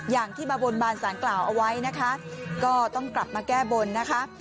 อย่างที่มาบนบานสารกล่าวเอาไว้นะคะก็ต้องกลับมาแก้บนนะคะ